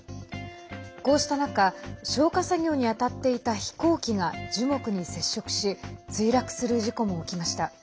こうした中消火作業に当たっていた飛行機が樹木に接触し墜落する事故も起きました。